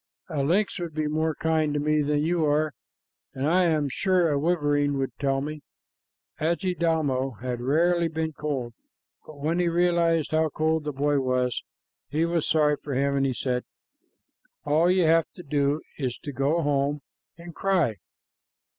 A lynx would be more kind to me than you are, and I am sure a wolverine would tell me." Adjidaumo had rarely been cold, but when he realized how cold the boy was, he was sorry for him, and he said, "All you have to do is to go home and cry.